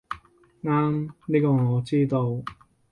啱，呢個我知道